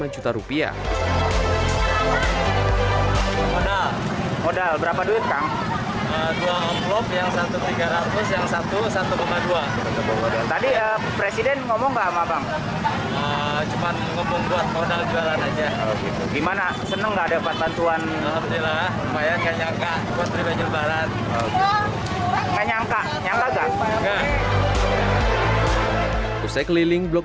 satu lima juta rupiah